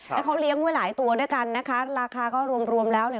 แล้วเขาเลี้ยงไว้หลายตัวด้วยกันนะคะราคาก็รวมรวมแล้วเนี่ย